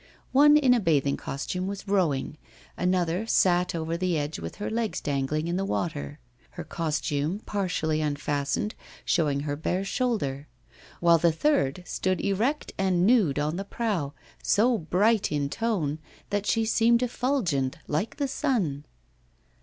One, in a bathing costume, was rowing; another sat over the edge with her legs dangling in the water, her costume partially unfastened, showing her bare shoulder; while the third stood erect and nude at the prow, so bright in tone that she seemed effulgent, like the sun.